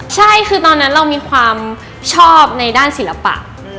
ใช่คือตอนนั้นเรามีความชอบในด้านศิลปะ